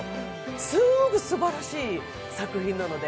すごくすばらしい作品なので、